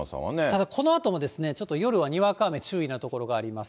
ただこのあともちょっと、夜はにわか雨注意な所があります。